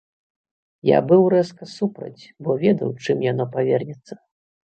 Я быў рэзка супраць, бо ведаў, чым яно павернецца.